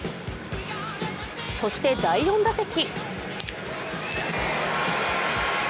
そして第４打席。